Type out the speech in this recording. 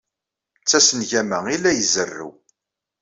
D tasengama i la izerrew.